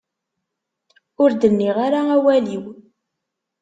Ur d-nniɣ ara awal-iw.